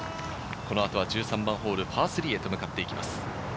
この後は１３番ホール、パー３へと向かっていきます。